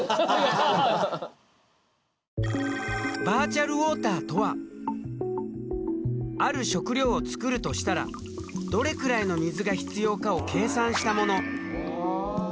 バーチャルウォーターとはある食料を作るとしたらどれくらいの水が必要かを計算したもの。